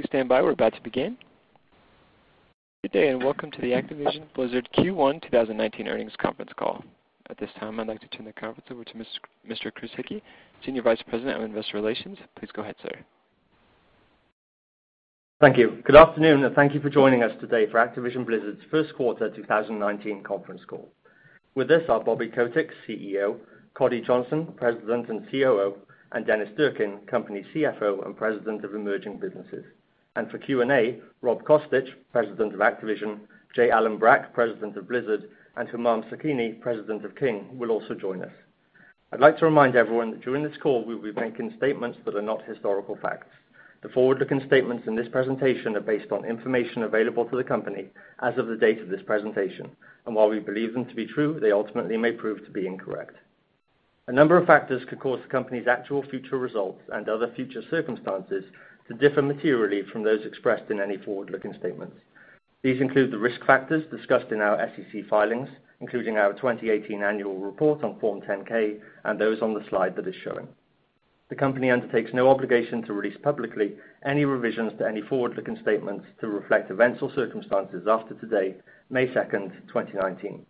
Please stand by. We're about to begin. Good day. Welcome to the Activision Blizzard Q1 2019 earnings conference call. At this time, I'd like to turn the conference over to Mr. Chris Hickey, Senior Vice President of Investor Relations. Please go ahead, sir. Thank you. Good afternoon. Thank you for joining us today for Activision Blizzard's first quarter 2019 conference call. With us are Bobby Kotick, CEO, Coddy Johnson, President and COO, and Dennis Durkin, Company CFO and President of Emerging Businesses. For Q&A, Rob Kostich, President of Activision, J. Allen Brack, President of Blizzard, and Humam Sakhnini, President of King, will also join us. I'd like to remind everyone that during this call, we will be making statements that are not historical facts. The forward-looking statements in this presentation are based on information available to the company as of the date of this presentation, and while we believe them to be true, they ultimately may prove to be incorrect. A number of factors could cause the company's actual future results and other future circumstances to differ materially from those expressed in any forward-looking statements. These include the risk factors discussed in our SEC filings, including our 2018 annual report on Form 10-K and those on the slide that is showing. The company undertakes no obligation to release publicly any revisions to any forward-looking statements to reflect events or circumstances after today, May 2nd, 2019.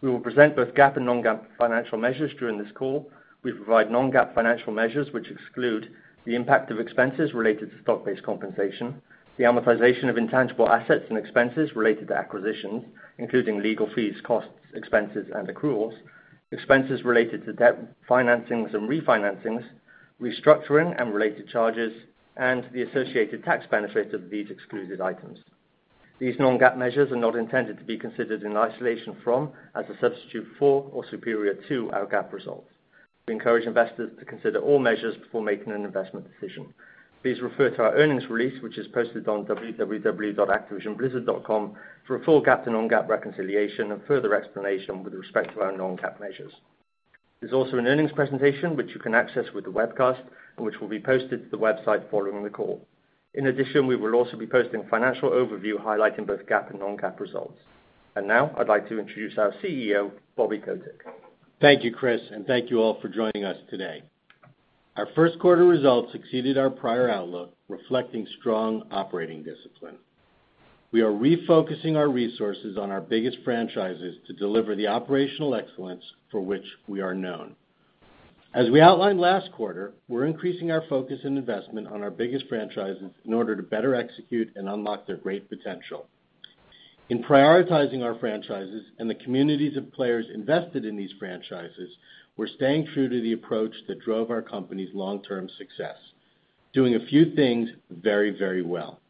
We will present both GAAP and non-GAAP financial measures during this call. We provide non-GAAP financial measures which exclude the impact of expenses related to stock-based compensation, the amortization of intangible assets and expenses related to acquisitions, including legal fees, costs, expenses, and accruals, expenses related to debt financings and refinancings, restructuring and related charges, and the associated tax benefits of these excluded items. These non-GAAP measures are not intended to be considered in isolation from, as a substitute for, or superior to our GAAP results. We encourage investors to consider all measures before making an investment decision. Please refer to our earnings release, which is posted on www.activisionblizzard.com for a full GAAP to non-GAAP reconciliation and further explanation with respect to our non-GAAP measures. There's also an earnings presentation, which you can access with the webcast and which will be posted to the website following the call. In addition, we will also be posting a financial overview highlighting both GAAP and non-GAAP results. Now, I'd like to introduce our CEO, Bobby Kotick. Thank you, Chris, and thank you all for joining us today. Our first quarter results exceeded our prior outlook, reflecting strong operating discipline. We are refocusing our resources on our biggest franchises to deliver the operational excellence for which we are known. As we outlined last quarter, we're increasing our focus and investment on our biggest franchises in order to better execute and unlock their great potential. In prioritizing our franchises and the communities of players invested in these franchises, we're staying true to the approach that drove our company's long-term success, doing a few things very well.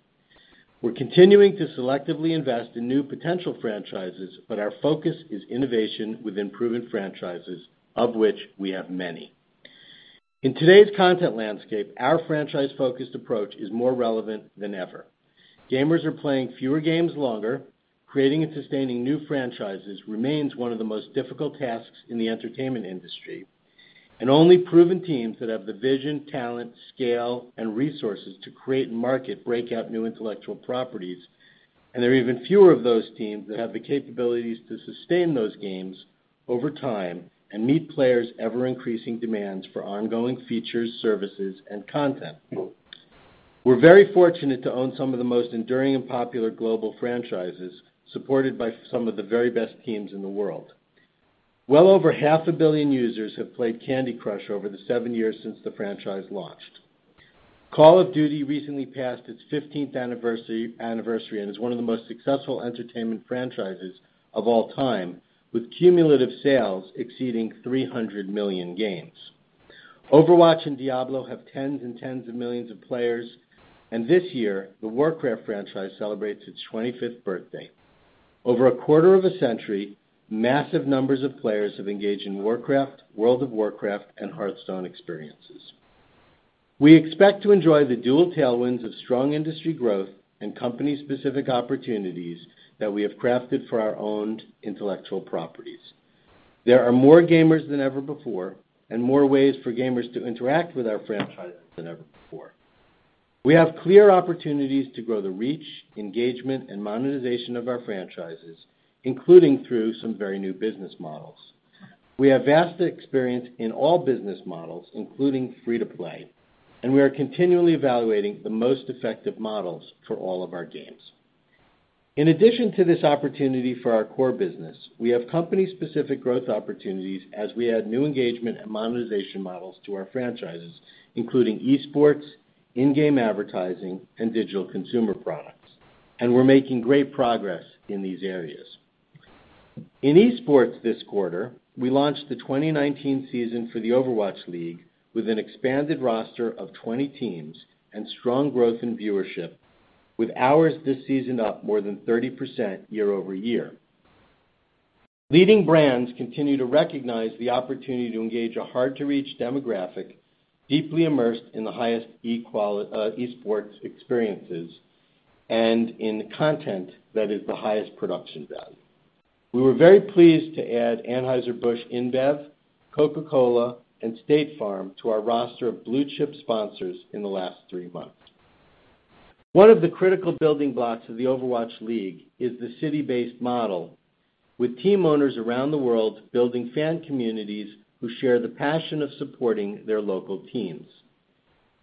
We're continuing to selectively invest in new potential franchises, but our focus is innovation within proven franchises, of which we have many. In today's content landscape, our franchise-focused approach is more relevant than ever. Gamers are playing fewer games longer. Creating and sustaining new franchises remains one of the most difficult tasks in the entertainment industry. Only proven teams that have the vision, talent, scale, and resources to create and market breakout new intellectual properties, and there are even fewer of those teams that have the capabilities to sustain those games over time and meet players' ever-increasing demands for ongoing features, services, and content. We're very fortunate to own some of the most enduring and popular global franchises, supported by some of the very best teams in the world. Well over half a billion users have played Candy Crush over the 7 years since the franchise launched. Call of Duty recently passed its 15th anniversary and is one of the most successful entertainment franchises of all time, with cumulative sales exceeding $300 million games. Overwatch and Diablo have tens and tens of millions of players. This year, the Warcraft franchise celebrates its 25th birthday. Over a quarter of a century, massive numbers of players have engaged in Warcraft, World of Warcraft, and Hearthstone experiences. We expect to enjoy the dual tailwinds of strong industry growth and company-specific opportunities that we have crafted for our owned intellectual properties. There are more gamers than ever before and more ways for gamers to interact with our franchises than ever before. We have clear opportunities to grow the reach, engagement, and monetization of our franchises, including through some very new business models. We have vast experience in all business models, including free-to-play, and we are continually evaluating the most effective models for all of our games. In addition to this opportunity for our core business, we have company-specific growth opportunities as we add new engagement and monetization models to our franchises, including esports, in-game advertising, and digital consumer products. We're making great progress in these areas. In esports this quarter, we launched the 2019 season for the Overwatch League with an expanded roster of 20 teams and strong growth in viewership, with hours this season up more than 30% year-over-year. Leading brands continue to recognize the opportunity to engage a hard-to-reach demographic deeply immersed in the highest esports experiences and in content that is the highest production value. We were very pleased to add Anheuser-Busch InBev, Coca-Cola, and State Farm to our roster of blue-chip sponsors in the last three months. One of the critical building blocks of the Overwatch League is the city-based model, with team owners around the world building fan communities who share the passion of supporting their local teams.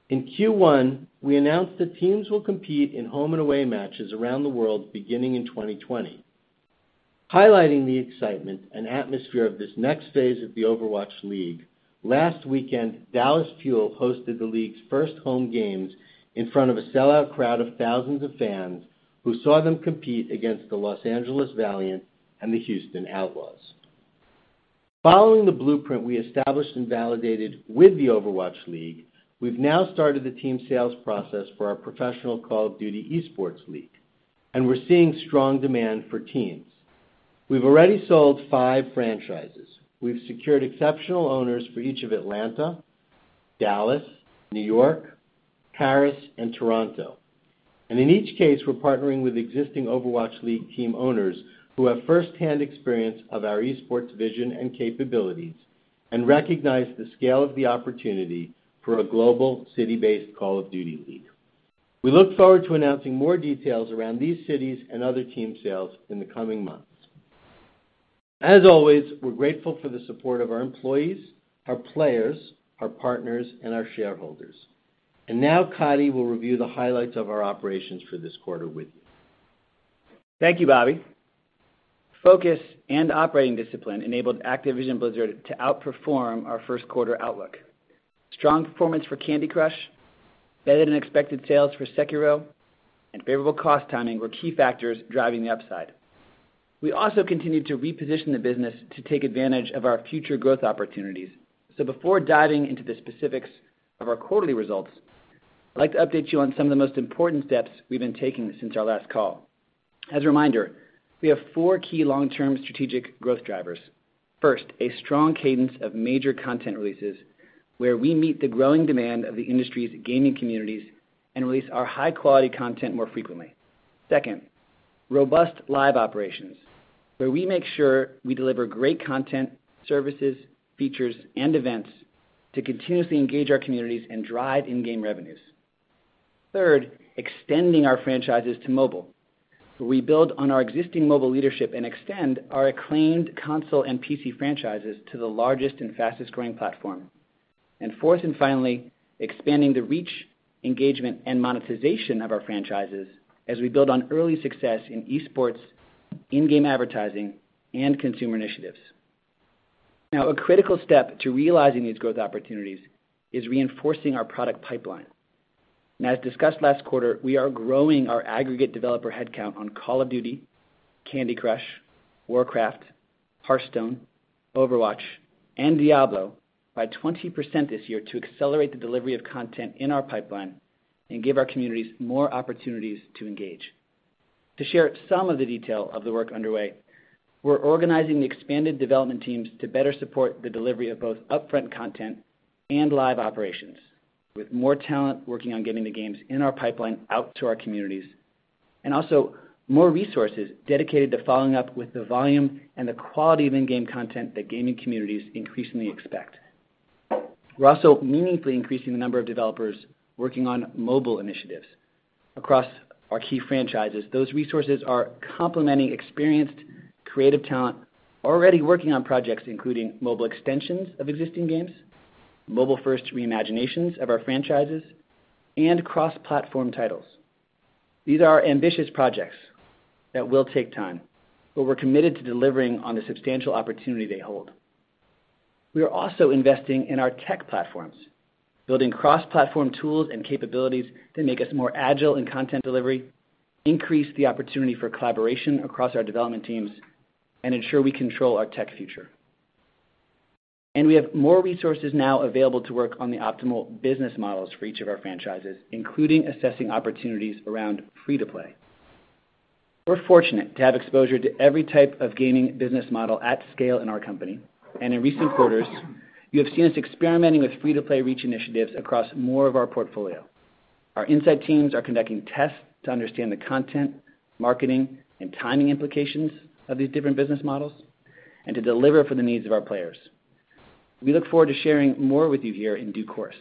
In Q1, we announced that teams will compete in home and away matches around the world beginning in 2020. Highlighting the excitement and atmosphere of this next phase of the Overwatch League, last weekend, Dallas Fuel hosted the league's first home games in front of a sellout crowd of thousands of fans who saw them compete against the Los Angeles Valiant and the Houston Outlaws. Following the blueprint we established and validated with the Overwatch League, we've now started the team sales process for our professional Call of Duty Esports League, we're seeing strong demand for teams. We've already sold five franchises. We've secured exceptional owners for each of Atlanta, Dallas, New York, Paris, and Toronto. In each case, we're partnering with existing Overwatch League team owners who have firsthand experience of our Esports vision and capabilities and recognize the scale of the opportunity for a global city-based Call of Duty League. We look forward to announcing more details around these cities and other team sales in the coming months. As always, we're grateful for the support of our employees, our players, our partners, and our shareholders. Now Coddy will review the highlights of our operations for this quarter with you. Thank you, Bobby. Focus and operating discipline enabled Activision Blizzard to outperform our first quarter outlook. Strong performance for Candy Crush, better than expected sales for Sekiro, and favorable cost timing were key factors driving the upside. We also continued to reposition the business to take advantage of our future growth opportunities. Before diving into the specifics of our quarterly results, I'd like to update you on some of the most important steps we've been taking since our last call. As a reminder, we have four key long-term strategic growth drivers. First, a strong cadence of major content releases, where we meet the growing demand of the industry's gaming communities and release our high-quality content more frequently. Second, robust live operations, where we make sure we deliver great content, services, features, and events to continuously engage our communities and drive in-game revenues. Third, extending our franchises to mobile. We build on our existing mobile leadership and extend our acclaimed console and PC franchises to the largest and fastest-growing platform. Fourth and finally, expanding the reach, engagement, and monetization of our franchises as we build on early success in Esports, in-game advertising, and consumer initiatives. Now, a critical step to realizing these growth opportunities is reinforcing our product pipeline. As discussed last quarter, we are growing our aggregate developer headcount on Call of Duty, Candy Crush, Warcraft, Hearthstone, Overwatch, and Diablo by 20% this year to accelerate the delivery of content in our pipeline and give our communities more opportunities to engage. To share some of the detail of the work underway, we're organizing the expanded development teams to better support the delivery of both upfront content and live operations with more talent working on getting the games in our pipeline out to our communities, and also more resources dedicated to following up with the volume and the quality of in-game content that gaming communities increasingly expect. We're also meaningfully increasing the number of developers working on mobile initiatives across our key franchises. Those resources are complementing experienced creative talent already working on projects, including mobile extensions of existing games, mobile-first re-imaginations of our franchises, and cross-platform titles. These are ambitious projects that will take time, but we're committed to delivering on the substantial opportunity they hold. We are also investing in our tech platforms, building cross-platform tools and capabilities that make us more agile in content delivery, increase the opportunity for collaboration across our development teams, and ensure we control our tech future. We have more resources now available to work on the optimal business models for each of our franchises, including assessing opportunities around free-to-play. We're fortunate to have exposure to every type of gaming business model at scale in our company. In recent quarters, you have seen us experimenting with free-to-play reach initiatives across more of our portfolio. Our insight teams are conducting tests to understand the content, marketing, and timing implications of these different business models and to deliver for the needs of our players. We look forward to sharing more with you here in due course.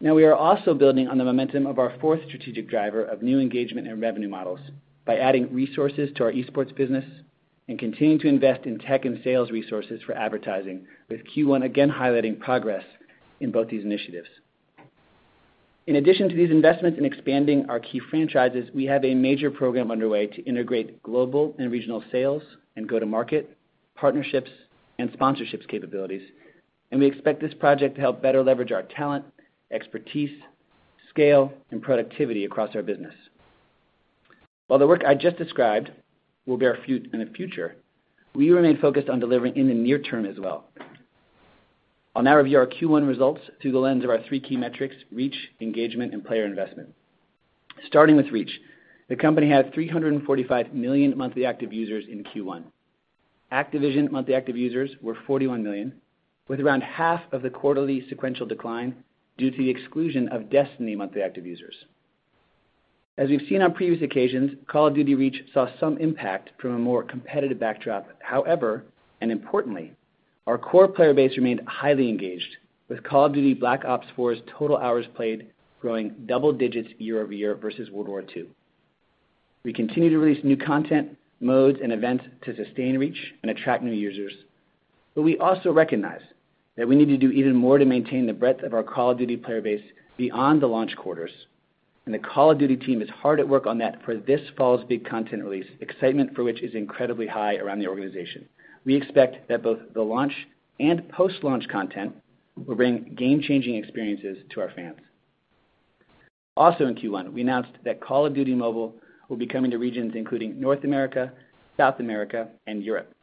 Now, we are also building on the momentum of our fourth strategic driver of new engagement and revenue models by adding resources to our Esports business and continuing to invest in tech and sales resources for advertising with Q1 again highlighting progress in both these initiatives. In addition to these investments in expanding our key franchises, we have a major program underway to integrate global and regional sales and go-to-market, partnerships, and sponsorships capabilities, and we expect this project to help better leverage our talent, expertise, scale, and productivity across our business. While the work I just described will bear fruit in the future, we remain focused on delivering in the near term as well. I'll now review our Q1 results through the lens of our three key metrics, reach, engagement, and player investment. Starting with reach. The company had 345 million monthly active users in Q1. Activision monthly active users were 41 million, with around half of the quarterly sequential decline due to the exclusion of Destiny monthly active users. As we've seen on previous occasions, Call of Duty reach saw some impact from a more competitive backdrop. However, and importantly, our core player base remained highly engaged with Call of Duty Black Ops 4's total hours played growing double digits year-over-year versus World War II. We continue to release new content, modes, and events to sustain reach and attract new users. We also recognize that we need to do even more to maintain the breadth of our Call of Duty player base beyond the launch quarters, and the Call of Duty team is hard at work on that for this fall's big content release, excitement for which is incredibly high around the organization. We expect that both the launch and post-launch content will bring game-changing experiences to our fans. Also in Q1, we announced that Call of Duty: Mobile will be coming to regions including North America, South America, and Europe.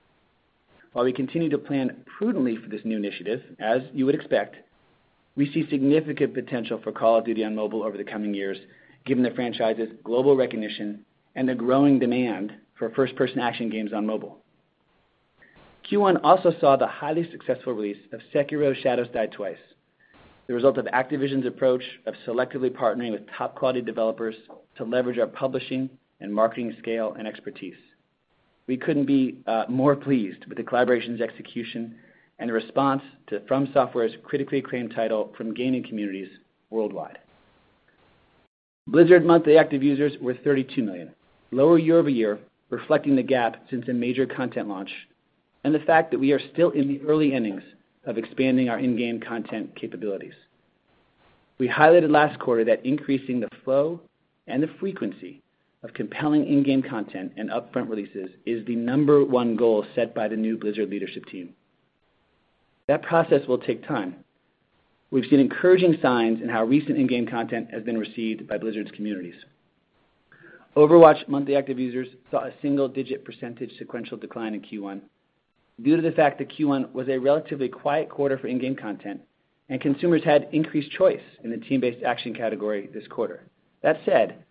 While we continue to plan prudently for this new initiative, as you would expect, we see significant potential for Call of Duty on mobile over the coming years, given the franchise's global recognition and the growing demand for first-person action games on mobile. Q1 also saw the highly successful release of Sekiro: Shadows Die Twice, the result of Activision's approach of selectively partnering with top-quality developers to leverage our publishing and marketing scale and expertise. We couldn't be more pleased with the collaboration's execution and the response to FromSoftware's critically acclaimed title from gaming communities worldwide. Blizzard monthly active users were 32 million, lower year-over-year, reflecting the gap since a major content launch, and the fact that we are still in the early innings of expanding our in-game content capabilities. We highlighted last quarter that increasing the flow and the frequency of compelling in-game content and upfront releases is the number one goal set by the new Blizzard leadership team. That process will take time. We've seen encouraging signs in how recent in-game content has been received by Blizzard's communities. Overwatch monthly active users saw a single-digit percentage sequential decline in Q1 due to the fact that Q1 was a relatively quiet quarter for in-game content and consumers had increased choice in the team-based action category this quarter. That said,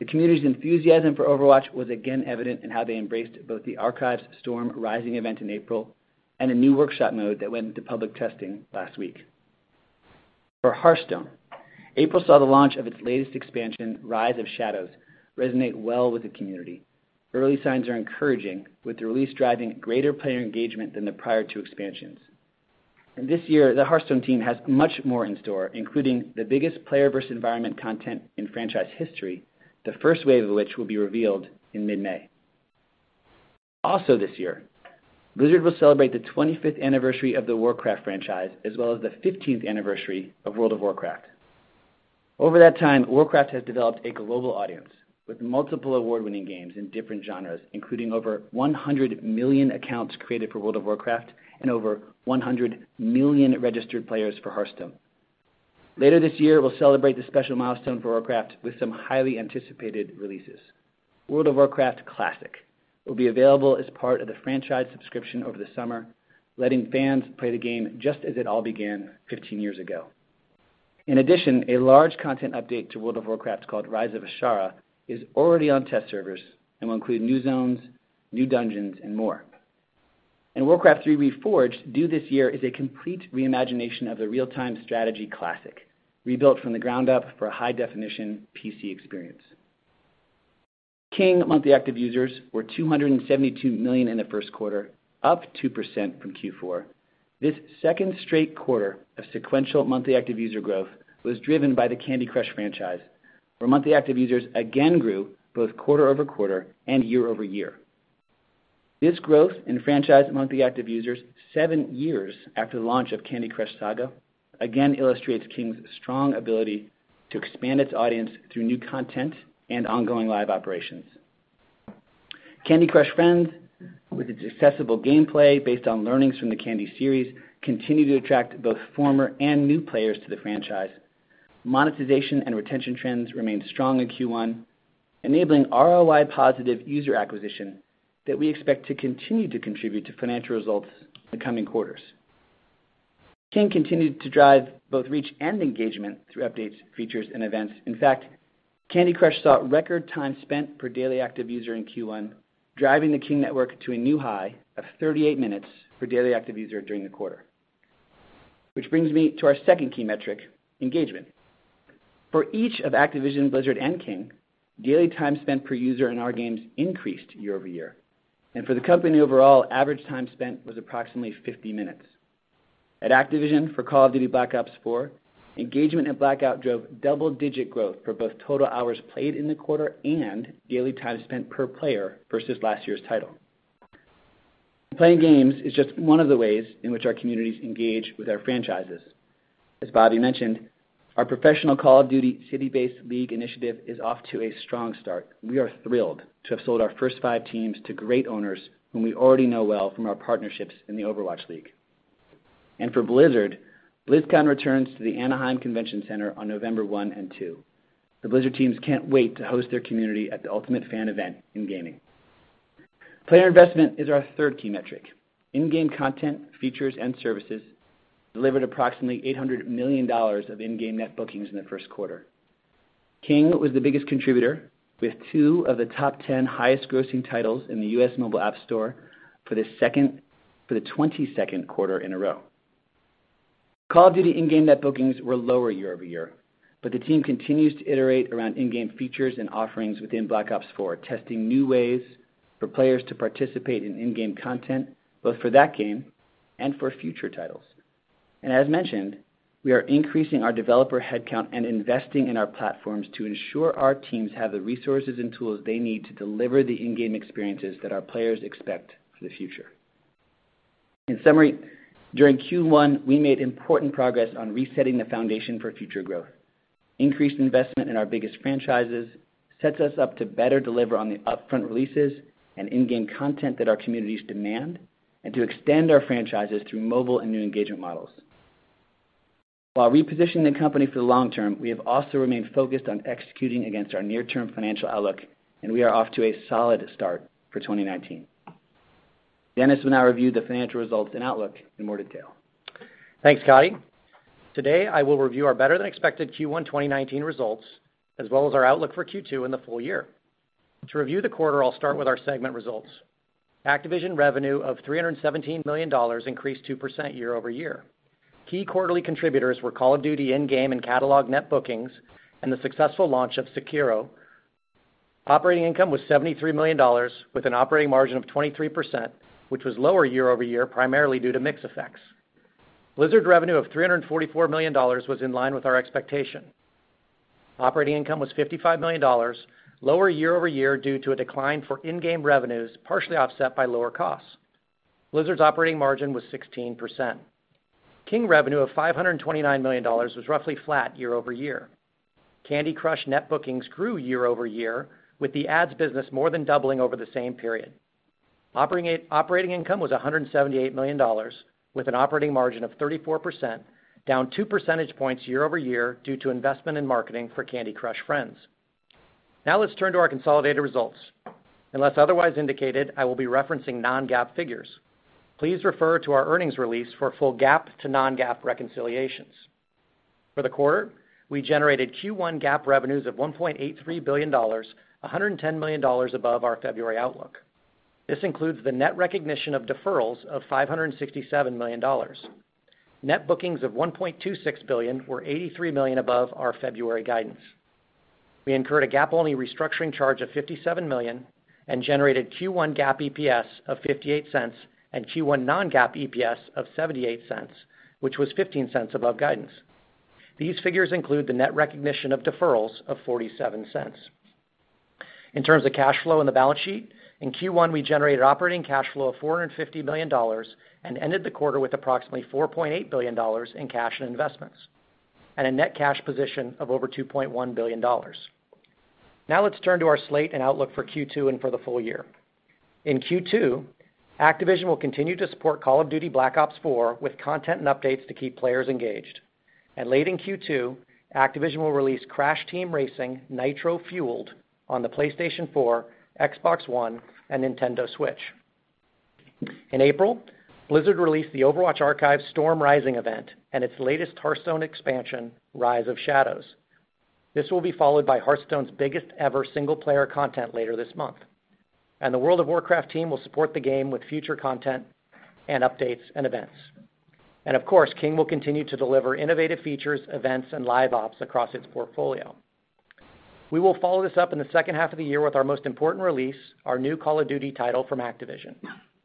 the community's enthusiasm for Overwatch was again evident in how they embraced both the Overwatch Archives: Storm Rising event in April and a new Overwatch Workshop mode that went into public testing last week. For Hearthstone, April saw the launch of its latest expansion, Rise of Shadows, resonate well with the community. Early signs are encouraging, with the release driving greater player engagement than the prior two expansions. This year, the Hearthstone team has much more in store, including the biggest player versus environment content in franchise history, the first wave of which will be revealed in mid-May. Also this year, Blizzard will celebrate the 25th anniversary of the Warcraft franchise, as well as the 15th anniversary of World of Warcraft. Over that time, Warcraft has developed a global audience with multiple award-winning games in different genres, including over 100 million accounts created for World of Warcraft and over 100 million registered players for Hearthstone. Later this year, we'll celebrate the special milestone for Warcraft with some highly anticipated releases. World of Warcraft Classic will be available as part of the franchise subscription over the summer, letting fans play the game just as it all began 15 years ago. In addition, a large content update to World of Warcraft called Rise of Azshara is already on test servers and will include new zones, new dungeons, and more. Warcraft III: Reforged, due this year, is a complete reimagination of the real-time strategy classic, rebuilt from the ground up for a high-definition PC experience. King monthly active users were 272 million in the first quarter, up 2% from Q4. This second straight quarter of sequential monthly active user growth was driven by the Candy Crush franchise, where monthly active users again grew both quarter-over-quarter and year-over-year. This growth in franchise monthly active users seven years after the launch of Candy Crush Saga again illustrates King's strong ability to expand its audience through new content and ongoing live operations. Candy Crush Friends, with its accessible gameplay based on learnings from the Candy series, continue to attract both former and new players to the franchise. Monetization and retention trends remained strong in Q1, enabling ROI-positive user acquisition that we expect to continue to contribute to financial results in the coming quarters. King continued to drive both reach and engagement through updates, features, and events. In fact, Candy Crush saw record time spent per daily active user in Q1, driving the King network to a new high of 38 minutes per daily active user during the quarter. Which brings me to our second key metric, engagement. For each of Activision, Blizzard, and King, daily time spent per user in our games increased year-over-year. For the company overall, average time spent was approximately 50 minutes. At Activision for Call of Duty: Black Ops 4, engagement at Blackout drove double-digit growth for both total hours played in the quarter and daily time spent per player versus last year's title. Playing games is just one of the ways in which our communities engage with our franchises. As Bobby mentioned, our professional Call of Duty city-based league initiative is off to a strong start. We are thrilled to have sold our first five teams to great owners whom we already know well from our partnerships in the Overwatch League. For Blizzard, BlizzCon returns to the Anaheim Convention Center on November 1 and 2. The Blizzard teams can't wait to host their community at the ultimate fan event in gaming. Player investment is our third key metric. In-game content, features, and services delivered approximately $800 million of in-game net bookings in the first quarter. King was the biggest contributor with two of the top 10 highest grossing titles in the U.S. Mobile App Store for the 22nd quarter in a row. Call of Duty in-game net bookings were lower year-over-year, but the team continues to iterate around in-game features and offerings within Black Ops IV, testing new ways for players to participate in in-game content, both for that game and for future titles. As mentioned, we are increasing our developer headcount and investing in our platforms to ensure our teams have the resources and tools they need to deliver the in-game experiences that our players expect for the future. In summary, during Q1, we made important progress on resetting the foundation for future growth. Increased investment in our biggest franchises sets us up to better deliver on the upfront releases and in-game content that our communities demand and to extend our franchises through mobile and new engagement models. While repositioning the company for the long term, we have also remained focused on executing against our near-term financial outlook, and we are off to a solid start for 2019. Dennis will now review the financial results and outlook in more detail. Thanks, Coddy. Today, I will review our better-than-expected Q1 2019 results as well as our outlook for Q2 and the full year. To review the quarter, I'll start with our segment results. Activision revenue of $317 million increased 2% year-over-year. Key quarterly contributors were Call of Duty in-game and catalog net bookings and the successful launch of Sekiro. Operating income was $73 million with an operating margin of 23%, which was lower year-over-year, primarily due to mix effects. Blizzard revenue of $344 million was in line with our expectation. Operating income was $55 million, lower year-over-year due to a decline for in-game revenues, partially offset by lower costs. Blizzard's operating margin was 16%. King revenue of $529 million was roughly flat year-over-year. Candy Crush net bookings grew year-over-year with the ads business more than doubling over the same period. Operating income was $178 million with an operating margin of 34%, down 2 percentage points year-over-year due to investment in marketing for Candy Crush Friends. Let's turn to our consolidated results. Unless otherwise indicated, I will be referencing non-GAAP figures. Please refer to our earnings release for full GAAP to non-GAAP reconciliations. For the quarter, we generated Q1 GAAP revenues of $1.83 billion, $110 million above our February outlook. This includes the net recognition of deferrals of $567 million. Net bookings of $1.26 billion were $83 million above our February guidance. We incurred a GAAP-only restructuring charge of $57 million and generated Q1 GAAP EPS of $0.58 and Q1 non-GAAP EPS of $0.78, which was $0.15 above guidance. These figures include the net recognition of deferrals of $0.47. In terms of cash flow and the balance sheet, in Q1, we generated operating cash flow of $450 million and ended the quarter with approximately $4.8 billion in cash and investments and a net cash position of over $2.1 billion. Let's turn to our slate and outlook for Q2 and for the full year. In Q2, Activision will continue to support Call of Duty Black Ops IV with content and updates to keep players engaged. Late in Q2, Activision will release Crash Team Racing Nitro-Fueled on the PlayStation 4, Xbox One, and Nintendo Switch. In April, Blizzard released the Overwatch Archives: Storm Rising event and its latest Hearthstone expansion, Rise of Shadows. This will be followed by Hearthstone's biggest ever single player content later this month. The World of Warcraft team will support the game with future content and updates and events. Of course, King will continue to deliver innovative features, events, and live ops across its portfolio. We will follow this up in the second half of the year with our most important release, our new Call of Duty title from Activision.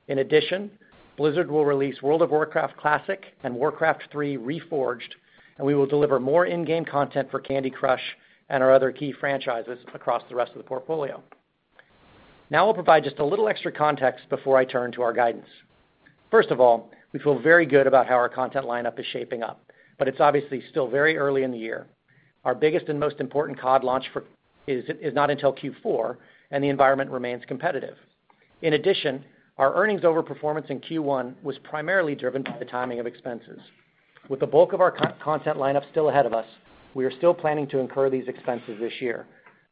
In addition, Blizzard will release World of Warcraft Classic and Warcraft III: Reforged, and we will deliver more in-game content for Candy Crush and our other key franchises across the rest of the portfolio. I'll provide just a little extra context before I turn to our guidance. First of all, we feel very good about how our content lineup is shaping up, but it's obviously still very early in the year. Our biggest and most important CoD launch is not until Q4, and the environment remains competitive. In addition, our earnings overperformance in Q1 was primarily driven by the timing of expenses. With the bulk of our content lineup still ahead of us, we are still planning to incur these expenses this year,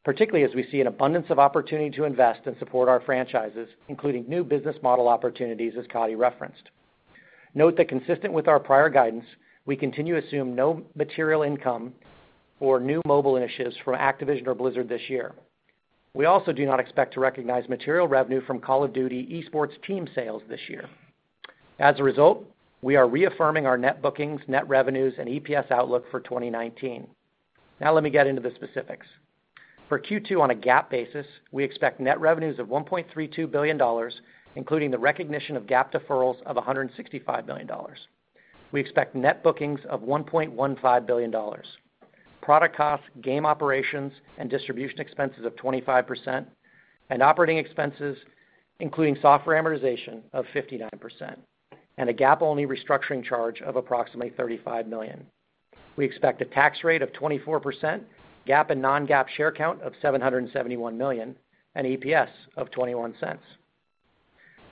particularly as we see an abundance of opportunity to invest and support our franchises, including new business model opportunities, as Coddy referenced. Note that consistent with our prior guidance, we continue to assume no material income or new mobile initiatives from Activision or Blizzard this year. We also do not expect to recognize material revenue from Call of Duty esports team sales this year. As a result, we are reaffirming our net bookings, net revenues, and EPS outlook for 2019. Let me get into the specifics. For Q2 on a GAAP basis, we expect net revenues of $1.32 billion, including the recognition of GAAP deferrals of $165 million. We expect net bookings of $1.15 billion. Product cost, game operations, and distribution expenses of 25%, and operating expenses, including software amortization, of 59%, and a GAAP-only restructuring charge of approximately $35 million. We expect a tax rate of 24%, GAAP and non-GAAP share count of 771 million, and EPS of $0.21.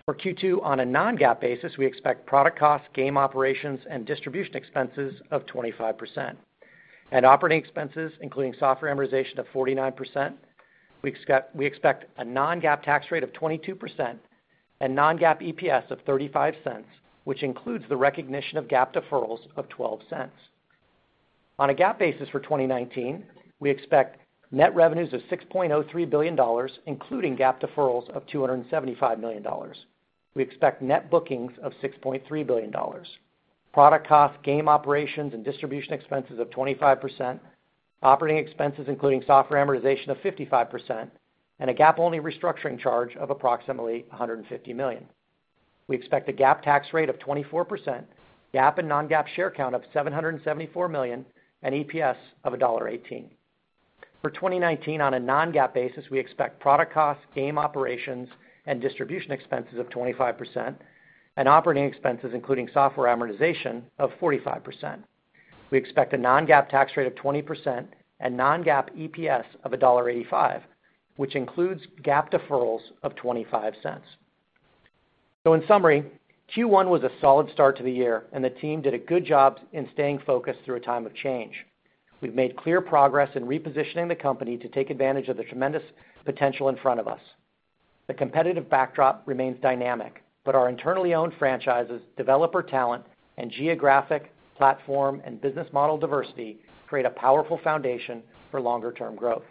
For Q2 on a non-GAAP basis, we expect product cost, game operations, and distribution expenses of 25%, and operating expenses, including software amortization, of 49%. We expect a non-GAAP tax rate of 22% and non-GAAP EPS of $0.35, which includes the recognition of GAAP deferrals of $0.12. On a GAAP basis for 2019, we expect net revenues of $6.03 billion, including GAAP deferrals of $275 million. We expect net bookings of $6.3 billion. Product cost, game operations, and distribution expenses of 25%, operating expenses including software amortization of 55%, and a GAAP-only restructuring charge of approximately $150 million. We expect a GAAP tax rate of 24%, GAAP and non-GAAP share count of 774 million, and EPS of $1.18. For 2019 on a non-GAAP basis, we expect product cost, game operations, and distribution expenses of 25%, and operating expenses, including software amortization, of 45%. We expect a non-GAAP tax rate of 20% and non-GAAP EPS of $1.85, which includes GAAP deferrals of $0.25. In summary, Q1 was a solid start to the year and the team did a good job in staying focused through a time of change. We've made clear progress in repositioning the company to take advantage of the tremendous potential in front of us. The competitive backdrop remains dynamic, but our internally owned franchises, developer talent, and geographic platform and business model diversity create a powerful foundation for longer-term growth.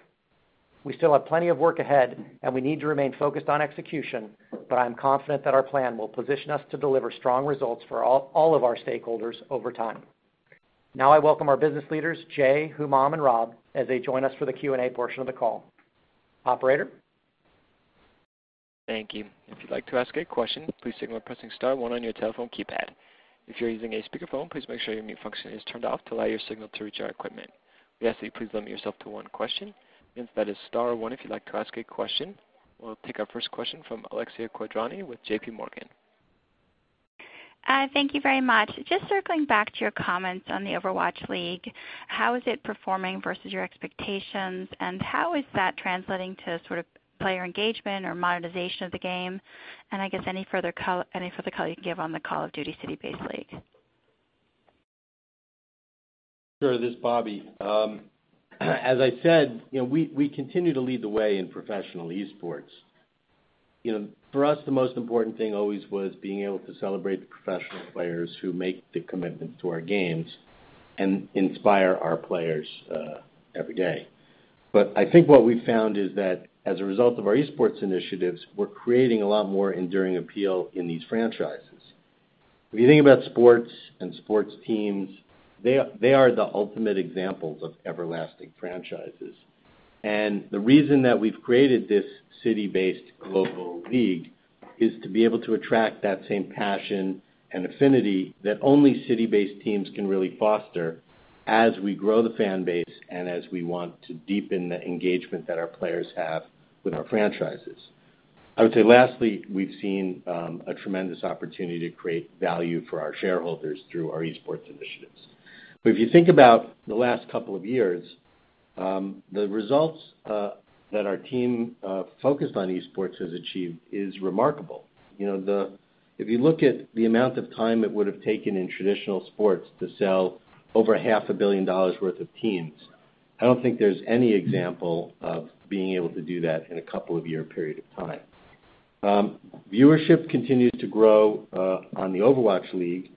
We still have plenty of work ahead, and we need to remain focused on execution, but I'm confident that our plan will position us to deliver strong results for all of our stakeholders over time. I welcome our business leaders, Jay, Humam, and Rob, as they join us for the Q&A portion of the call. Operator? Thank you. If you'd like to ask a question, please signal by pressing star one on your telephone keypad. If you're using a speakerphone, please make sure your mute function is turned off to allow your signal to reach our equipment. We ask that you please limit yourself to one question. Again, that is star one if you'd like to ask a question. We'll take our first question from Alexia Quadrani with J.P. Morgan. Thank you very much. Just circling back to your comments on the Overwatch League, how is it performing versus your expectations, and how is that translating to player engagement or monetization of the game? I guess any further color you can give on the Call of Duty city-based league? Sure. This is Bobby. As I said, we continue to lead the way in professional esports. For us, the most important thing always was being able to celebrate the professional players who make the commitment to our games and inspire our players every day. I think what we've found is that as a result of our esports initiatives, we're creating a lot more enduring appeal in these franchises. If you think about sports and sports teams, they are the ultimate examples of everlasting franchises. The reason that we've created this city-based global league is to be able to attract that same passion and affinity that only city-based teams can really foster as we grow the fan base and as we want to deepen the engagement that our players have with our franchises. I would say lastly, we've seen a tremendous opportunity to create value for our shareholders through our esports initiatives. If you think about the last couple of years, the results that our team focused on esports has achieved is remarkable. If you look at the amount of time it would have taken in traditional sports to sell over half a billion dollars worth of teams, I don't think there's any example of being able to do that in a couple of year period of time. Viewership continues to grow on the Overwatch League,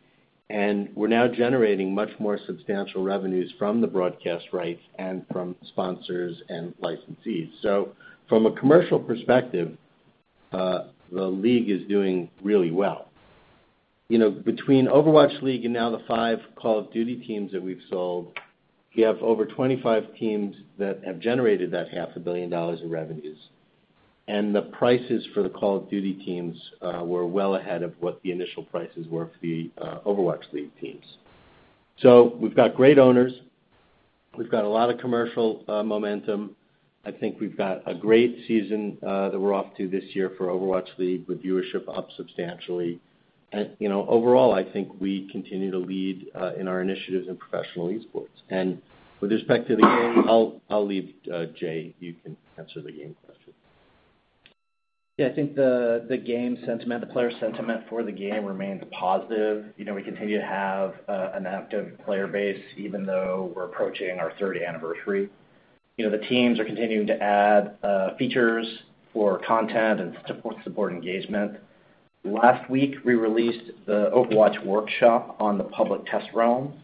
and we're now generating much more substantial revenues from the broadcast rights and from sponsors and licensees. From a commercial perspective, the league is doing really well. Between Overwatch League and now the five Call of Duty teams that we've sold, we have over 25 teams that have generated that half a billion dollars in revenues, and the prices for the Call of Duty teams were well ahead of what the initial prices were for the Overwatch League teams. We've got great owners. We've got a lot of commercial momentum. I think we've got a great season that we're off to this year for Overwatch League, with viewership up substantially. Overall, I think we continue to lead in our initiatives in professional esports. With respect to the game, I'll leave J. Allen, you can answer the game question. I think the player sentiment for the game remains positive. We continue to have an active player base, even though we're approaching our third anniversary. The teams are continuing to add features for content and to support engagement. Last week, we released the Overwatch Workshop on the public test realm.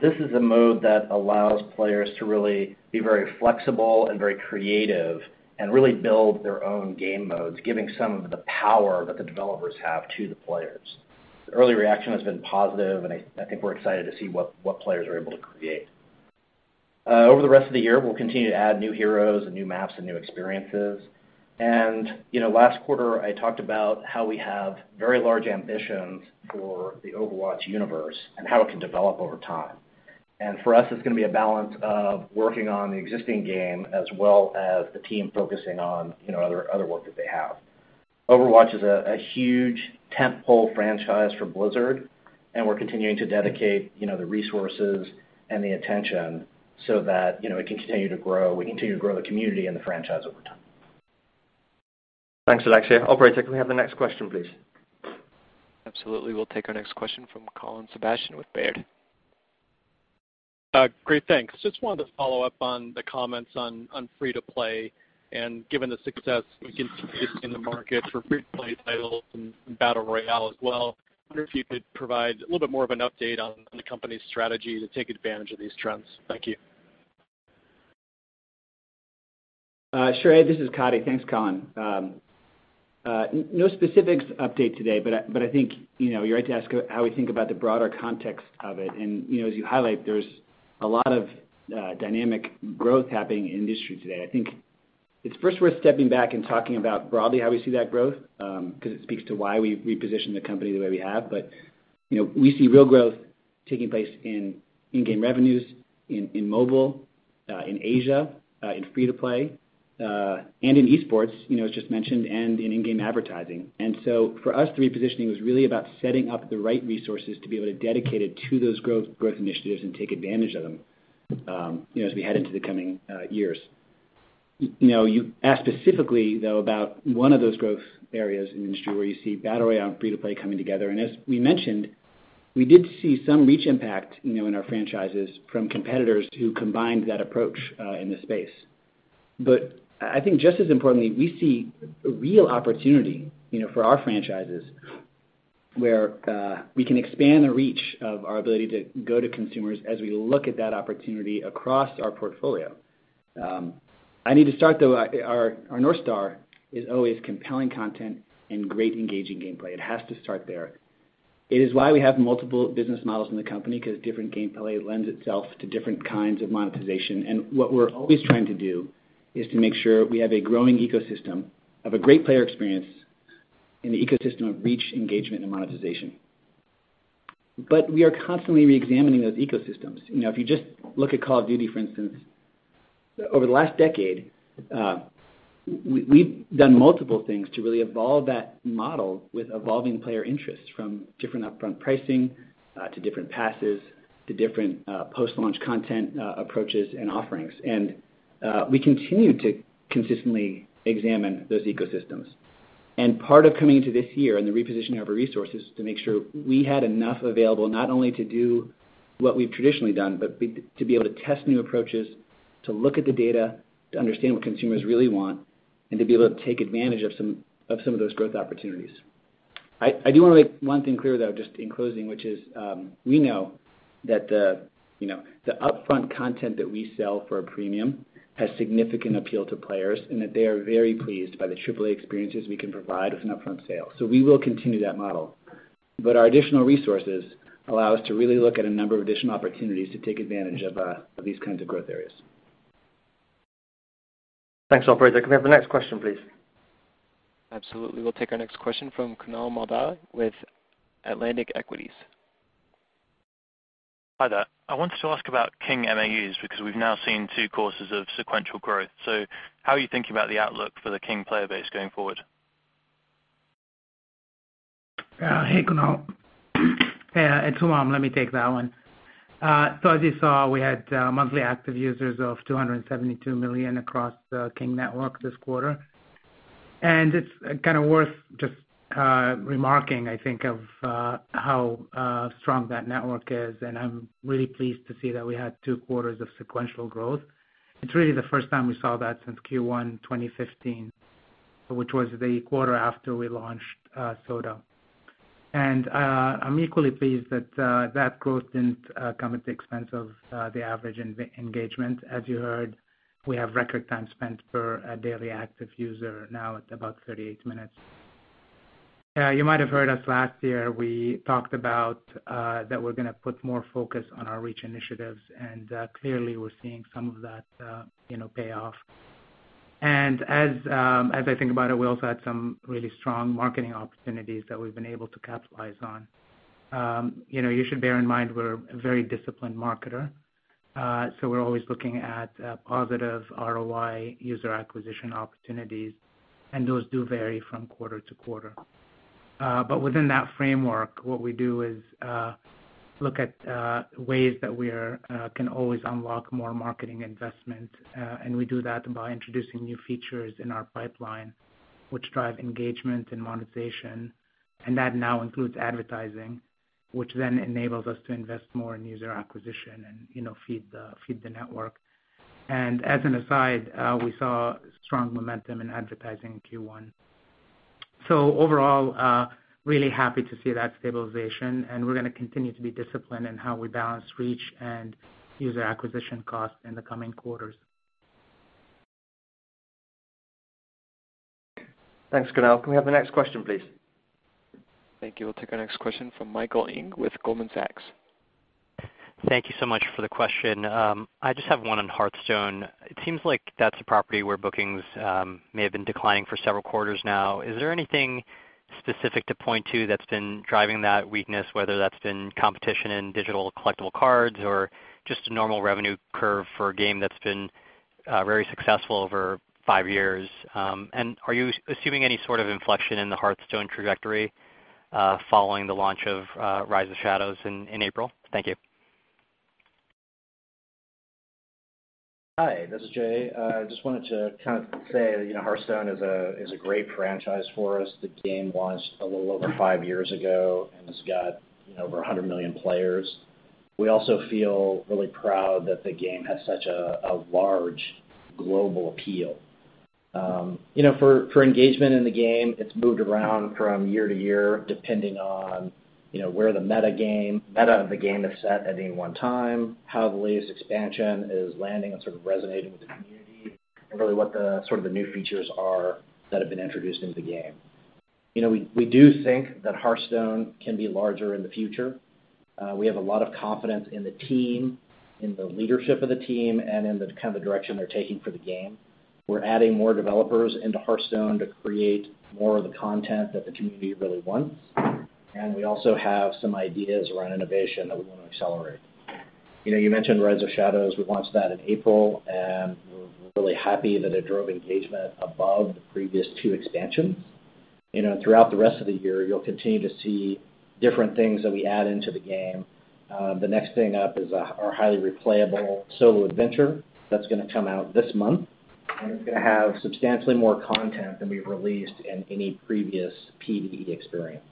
This is a mode that allows players to really be very flexible and very creative and really build their own game modes, giving some of the power that the developers have to the players. The early reaction has been positive, and I think we're excited to see what players are able to create. Over the rest of the year, we'll continue to add new heroes and new maps and new experiences. Last quarter, I talked about how we have very large ambitions for the Overwatch universe and how it can develop over time. For us, it's going to be a balance of working on the existing game as well as the team focusing on other work that they have. Overwatch is a huge tentpole franchise for Blizzard, and we're continuing to dedicate the resources and the attention so that it can continue to grow. We continue to grow the community and the franchise over time. Thanks, Alexia. Operator, can we have the next question, please? Absolutely. We'll take our next question from Colin Sebastian with Baird. Wanted to follow up on the comments on free-to-play and given the success we continue to see in the market for free-to-play titles and Battle Royale as well, I wonder if you could provide a little bit more of an update on the company's strategy to take advantage of these trends. Thank you. Sure. This is Coddy. Thanks, Colin. No specifics update today, I think you're right to ask how we think about the broader context of it. As you highlight, there's a lot of dynamic growth happening in the industry today. I think it's first worth stepping back and talking about broadly how we see that growth, because it speaks to why we reposition the company the way we have. We see real growth taking place in in-game revenues, in mobile, in Asia, in free-to-play, and in esports as just mentioned, and in in-game advertising. For us, the repositioning was really about setting up the right resources to be able to dedicate it to those growth initiatives and take advantage of them as we head into the coming years. You asked specifically, though, about one of those growth areas in the industry where you see Battle Royale and free-to-play coming together. As we mentioned, we did see some reach impact in our franchises from competitors who combined that approach in the space. I think just as importantly, we see a real opportunity for our franchises where we can expand the reach of our ability to go to consumers as we look at that opportunity across our portfolio. I need to start, though, our North Star is always compelling content and great engaging gameplay. It has to start there. It is why we have multiple business models in the company, because different gameplay lends itself to different kinds of monetization. What we're always trying to do is to make sure we have a growing ecosystem of a great player experience and the ecosystem of reach, engagement, and monetization. We are constantly reexamining those ecosystems. If you just look at Call of Duty, for instance, over the last decade, we've done multiple things to really evolve that model with evolving player interests from different upfront pricing to different passes, to different post-launch content approaches and offerings. We continue to consistently examine those ecosystems. Part of coming into this year and the reposition of our resources to make sure we had enough available, not only to do what we've traditionally done, but to be able to test new approaches, to look at the data, to understand what consumers really want, and to be able to take advantage of some of those growth opportunities. I do want to make one thing clear, though, just in closing, which is we know that the upfront content that we sell for a premium has significant appeal to players and that they are very pleased by the AAA experiences we can provide with an upfront sale. We will continue that model. Our additional resources allow us to really look at a number of additional opportunities to take advantage of these kinds of growth areas. Thanks, Coddy. Can we have the next question, please? Absolutely. We'll take our next question from Kunaal Malde with Atlantic Equities. Hi there. I wanted to ask about King MAUs because we've now seen two courses of sequential growth. How are you thinking about the outlook for the King player base going forward? Hey, Kunaal. It's Humam. Let me take that one. As you saw, we had monthly active users of 272 million across the King network this quarter. It's kind of worth just remarking, I think, of how strong that network is, and I'm really pleased to see that we had two quarters of sequential growth. It's really the first time we saw that since Q1 2015, which was the quarter after we launched Soda. I'm equally pleased that that growth didn't come at the expense of the average engagement. As you heard, we have record time spent per daily active user now at about 38 minutes. You might have heard us last year, we talked about that we're going to put more focus on our reach initiatives, and clearly we're seeing some of that pay off. As I think about it, we also had some really strong marketing opportunities that we've been able to capitalize on. You should bear in mind we're a very disciplined marketer, we're always looking at positive ROI user acquisition opportunities, and those do vary from quarter to quarter. Within that framework, what we do is look at ways that we can always unlock more marketing investment. We do that by introducing new features in our pipeline, which drive engagement and monetization. That now includes advertising, which then enables us to invest more in user acquisition and feed the network. As an aside, we saw strong momentum in advertising in Q1. Overall, really happy to see that stabilization, and we're going to continue to be disciplined in how we balance reach and user acquisition costs in the coming quarters. Thanks, Kunaal. Can we have the next question, please? Thank you. We'll take our next question from Michael Ng with Goldman Sachs. Thank you so much for the question. I just have one on Hearthstone. It seems like that's a property where bookings may have been declining for several quarters now. Is there anything specific to point to that's been driving that weakness, whether that's been competition in digital collectible cards or just a normal revenue curve for a game that's been very successful over five years? Are you assuming any sort of inflection in the Hearthstone trajectory following the launch of Rise of Shadows in April? Thank you. Hi, this is Jay. I just wanted to kind of say that Hearthstone is a great franchise for us. The game launched a little over five years ago and has got over 100 million players. We also feel really proud that the game has such a large global appeal. For engagement in the game, it's moved around from year to year, depending on where the meta of the game is set at any one time, how the latest expansion is landing and sort of resonating with the community, and really what the new features are that have been introduced into the game. We do think that Hearthstone can be larger in the future. We have a lot of confidence in the team, in the leadership of the team, and in the kind of direction they're taking for the game. We're adding more developers into Hearthstone to create more of the content that the community really wants. We also have some ideas around innovation that we want to accelerate. You mentioned Rise of Shadows. We launched that in April, and we're really happy that it drove engagement above the previous two expansions. Throughout the rest of the year, you'll continue to see different things that we add into the game. The next thing up is our highly replayable solo adventure. That's going to come out this month, and it's going to have substantially more content than we've released in any previous PVE experience.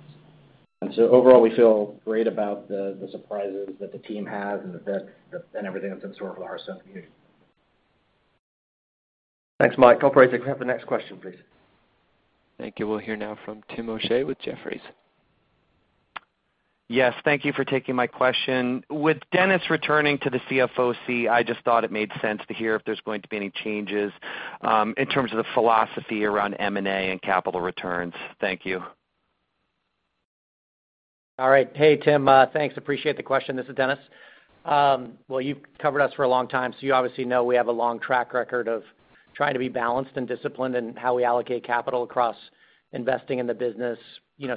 Overall, we feel great about the surprises that the team has and everything that's in store for the Hearthstone community. Thanks, Mike. Operator, can we have the next question, please? Thank you. We'll hear now from Timothy O'Shea with Jefferies. Yes, thank you for taking my question. With Dennis returning to the CFO seat, I just thought it made sense to hear if there's going to be any changes in terms of the philosophy around M&A and capital returns. Thank you. All right. Hey, Tim. Thanks, appreciate the question. This is Dennis. Well, you've covered us for a long time, so you obviously know we have a long track record of trying to be balanced and disciplined in how we allocate capital across investing in the business,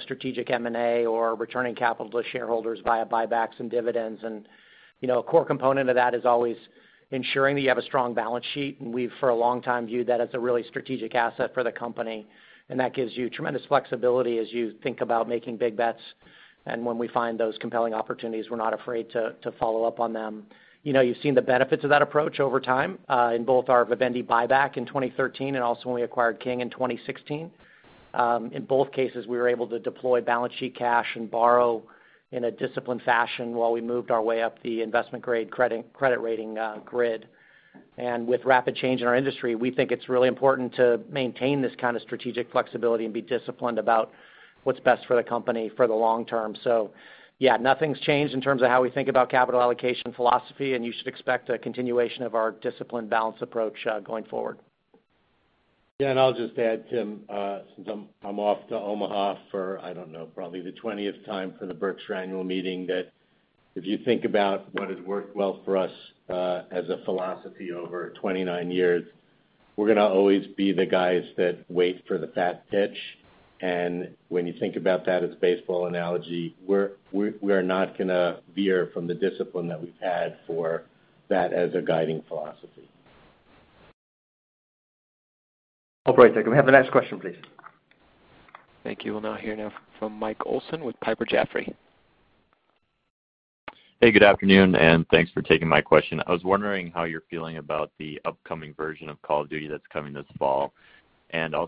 strategic M&A or returning capital to shareholders via buybacks and dividends. A core component of that is always ensuring that you have a strong balance sheet. We've, for a long time, viewed that as a really strategic asset for the company. That gives you tremendous flexibility as you think about making big bets. When we find those compelling opportunities, we're not afraid to follow up on them. You've seen the benefits of that approach over time in both our Vivendi buyback in 2013 and also when we acquired King in 2016. In both cases, we were able to deploy balance sheet cash and borrow in a disciplined fashion while we moved our way up the investment-grade credit rating grid. With rapid change in our industry, we think it's really important to maintain this kind of strategic flexibility and be disciplined about what's best for the company for the long term. Yeah, nothing's changed in terms of how we think about capital allocation philosophy, and you should expect a continuation of our disciplined balance approach going forward. Yeah, I'll just add, Tim, since I'm off to Omaha for, I don't know, probably the 20th time for the Berkshire annual meeting, that if you think about what has worked well for us as a philosophy over 29 years, we're going to always be the guys that wait for the fat pitch. When you think about that as a baseball analogy, we are not going to veer from the discipline that we've had for that as a guiding philosophy. Operator, can we have the next question, please? Thank you. We'll now hear from Michael Olson with Piper Jaffray. Hey, good afternoon, and thanks for taking my question. I was wondering how you're feeling about the upcoming version of Call of Duty that's coming this fall.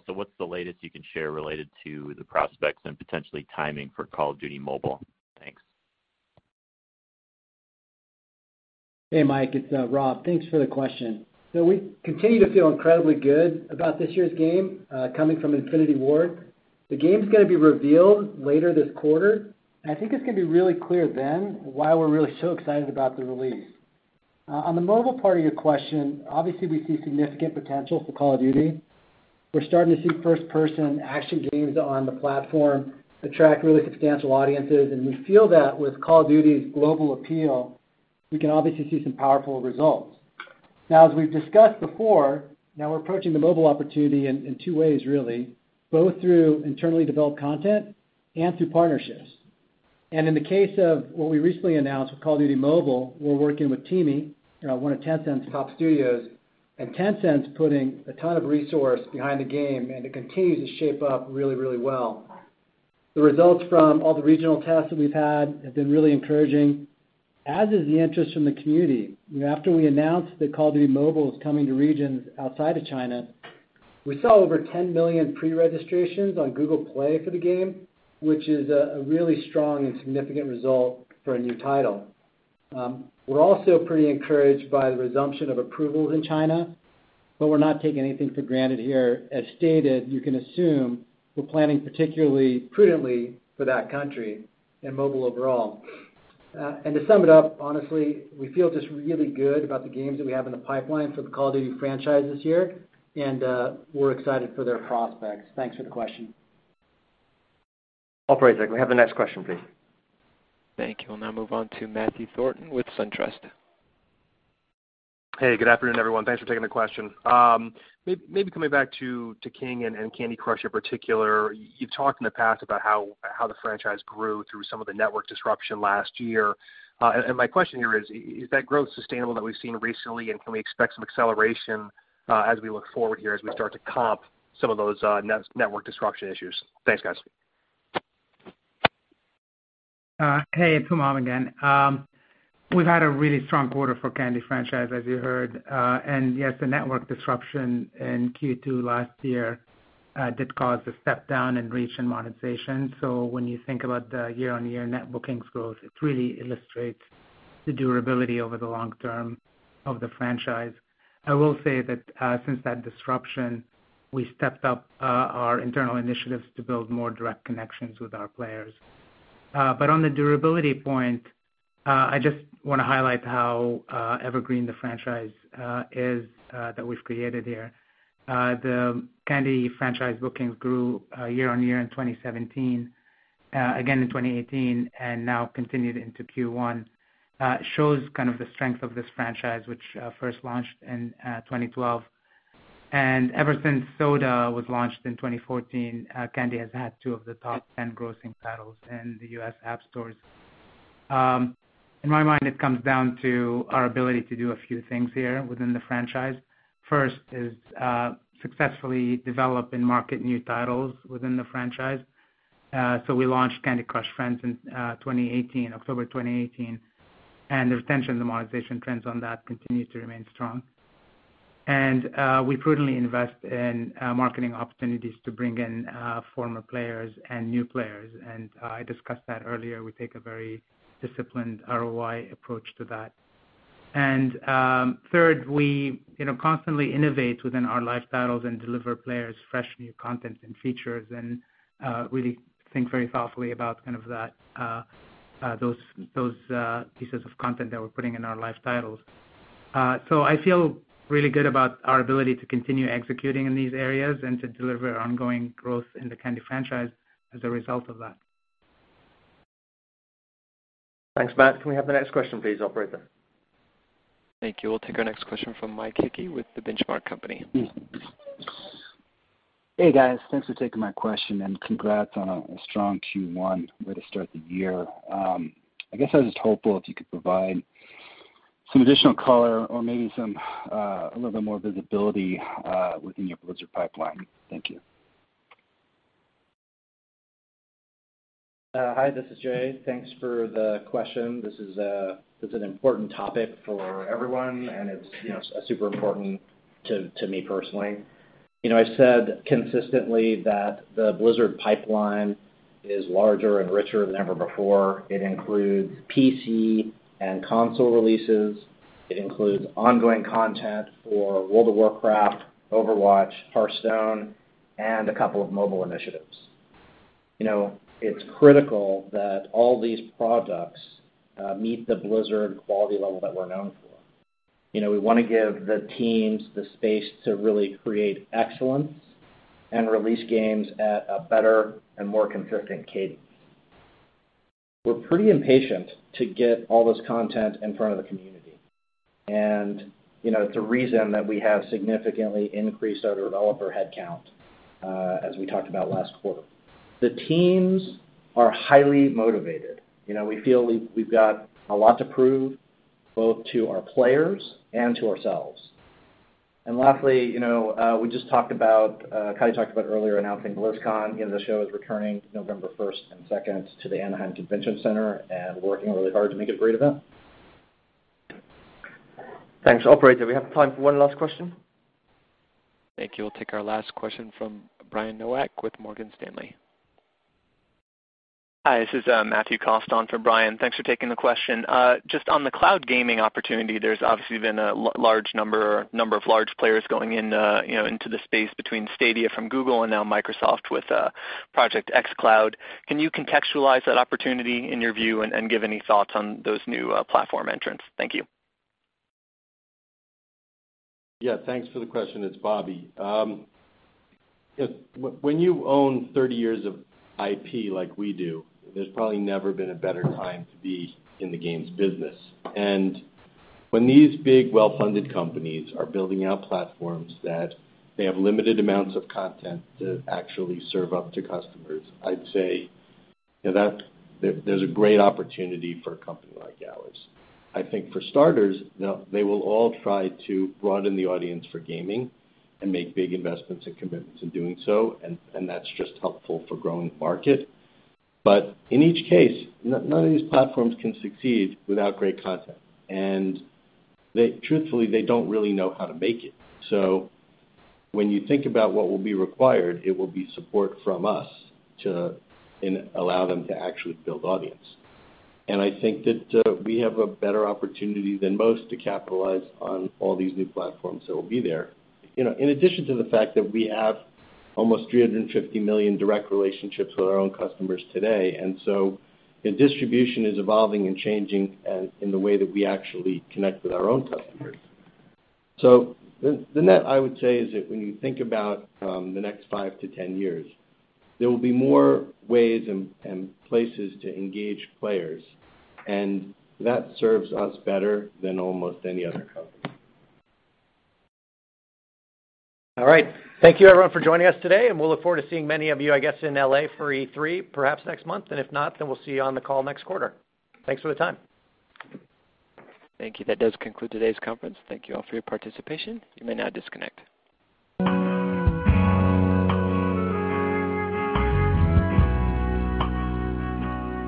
What's the latest you can share related to the prospects and potentially timing for Call of Duty: Mobile? Thanks. Hey, Mike, it's Rob. Thanks for the question. We continue to feel incredibly good about this year's game coming from Infinity Ward. The game's going to be revealed later this quarter. I think it's going to be really clear then why we're really so excited about the release. On the mobile part of your question, obviously, we see significant potential for Call of Duty. We're starting to see first-person action games on the platform attract really substantial audiences, and we feel that with Call of Duty's global appeal, we can obviously see some powerful results. As we've discussed before, we're approaching the mobile opportunity in two ways, really. Both through internally developed content and through partnerships. In the case of what we recently announced with Call of Duty: Mobile, we're working with TiMi, one of Tencent's top studios, and Tencent's putting a ton of resource behind the game, and it continues to shape up really, really well. The results from all the regional tests that we've had have been really encouraging, as is the interest from the community. After we announced that Call of Duty: Mobile is coming to regions outside of China, we saw over 10 million pre-registrations on Google Play for the game, which is a really strong and significant result for a new title. We're also pretty encouraged by the resumption of approvals in China, we're not taking anything for granted here. As stated, you can assume we're planning particularly prudently for that country and mobile overall. To sum it up, honestly, we feel just really good about the games that we have in the pipeline for the Call of Duty franchise this year, and we're excited for their prospects. Thanks for the question. Operator, can we have the next question, please? Thank you. We'll now move on to Matthew Thornton with SunTrust. Hey, good afternoon, everyone. Thanks for taking the question. Maybe coming back to King and Candy Crush in particular. You've talked in the past about how the franchise grew through some of the network disruption last year. My question here is that growth sustainable that we've seen recently, and can we expect some acceleration as we look forward here as we start to comp some of those network disruption issues? Thanks, guys. Hey, it's Humam again. We've had a really strong quarter for Candy franchise, as you heard. Yes, the network disruption in Q2 last year did cause a step down in reach and monetization. When you think about the year-on-year net bookings growth, it really illustrates The durability over the long-term of the franchise. I will say that since that disruption, we stepped up our internal initiatives to build more direct connections with our players. On the durability point, I just want to highlight how evergreen the franchise is that we've created here. The Candy franchise bookings grew year-over-year in 2017, again in 2018, and now continued into Q1. Shows kind of the strength of this franchise, which first launched in 2012. Ever since Soda was launched in 2014, Candy has had two of the top 10 grossing titles in the U.S. App Stores. In my mind, it comes down to our ability to do a few things here within the franchise. First is successfully develop and market new titles within the franchise. We launched Candy Crush Friends in 2018, October 2018, and the retention and monetization trends on that continue to remain strong. We prudently invest in marketing opportunities to bring in former players and new players. I discussed that earlier. We take a very disciplined ROI approach to that. Third, we constantly innovate within our live titles and deliver players fresh, new content and features and really think very thoughtfully about those pieces of content that we're putting in our live titles. I feel really good about our ability to continue executing in these areas and to deliver ongoing growth in the Candy franchise as a result of that. Thanks, Matt. Can we have the next question please, operator? Thank you. We'll take our next question from Mike Hickey with The Benchmark Company. Hey, guys. Thanks for taking my question and congrats on a strong Q1 way to start the year. I guess I was just hopeful if you could provide some additional color or maybe a little bit more visibility within your Blizzard pipeline. Thank you. Hi, this is Jay. Thanks for the question. This is an important topic for everyone, and it's super important to me personally. I've said consistently that the Blizzard pipeline is larger and richer than ever before. It includes PC and console releases. It includes ongoing content for World of Warcraft, Overwatch, Hearthstone, and a couple of mobile initiatives. It's critical that all these products meet the Blizzard quality level that we're known for. We want to give the teams the space to really create excellence and release games at a better and more consistent cadence. We're pretty impatient to get all this content in front of the community, and it's a reason that we have significantly increased our developer headcount, as we talked about last quarter. The teams are highly motivated. We feel we've got a lot to prove both to our players and to ourselves. Lastly, we just talked about, Coddy Johnson talked about earlier announcing BlizzCon. The show is returning November 1st and 2nd to the Anaheim Convention Center, and we're working really hard to make it a great event. Thanks. Operator, we have time for one last question. Thank you. We'll take our last question from Brian Nowak with Morgan Stanley. Hi, this is Matthew Cost on for Brian. Thanks for taking the question. On the cloud gaming opportunity, there's obviously been a large number or a number of large players going into the space between Stadia from Google and now Microsoft with Project xCloud. Can you contextualize that opportunity in your view and give any thoughts on those new platform entrants? Thank you. Thanks for the question. It's Bobby. When you own 30 years of IP like we do, there's probably never been a better time to be in the games business. When these big, well-funded companies are building out platforms that they have limited amounts of content to actually serve up to customers, I'd say there's a great opportunity for a company like ours. I think for starters, they will all try to broaden the audience for gaming and make big investments and commitments in doing so, that's just helpful for growing the market. In each case, none of these platforms can succeed without great content, and truthfully, they don't really know how to make it. When you think about what will be required, it will be support from us to allow them to actually build audience. I think that we have a better opportunity than most to capitalize on all these new platforms that will be there. In addition to the fact that we have almost 350 million direct relationships with our own customers today, the distribution is evolving and changing in the way that we actually connect with our own customers. The net I would say is that when you think about the next 5 to 10 years, there will be more ways and places to engage players, that serves us better than almost any other company. All right. Thank you, everyone, for joining us today. We'll look forward to seeing many of you, I guess, in L.A. for E3 perhaps next month. If not, then we'll see you on the call next quarter. Thanks for the time. Thank you. That does conclude today's conference. Thank you all for your participation. You may now disconnect.